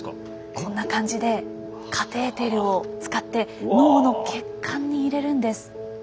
こんな感じでカテーテルを使って脳の血管に入れるんです。